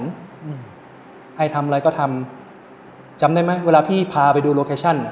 ถ้าอายุทำอะไรก็ทำจำได้ไหมเวลาพี่พาไปดูโลกาเชชั่น